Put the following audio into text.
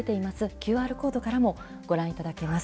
ＱＲコードからもご覧いただけます。